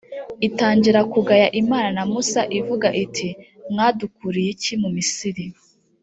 itangira kugaya imana na musa ivuga iti «mwadukuriye iki mu misiri.